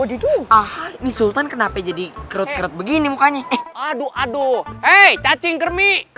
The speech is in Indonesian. ini sultan kenapa jadi kerut kerut begini mukanya aduh aduh cacing kermi